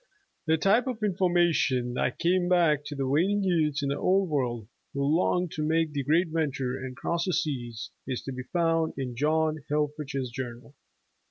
THE type of information that came back to the waiting youths in the old world, who longed to make the great venture and cross the seas, is to be found in John Helff rich's journal.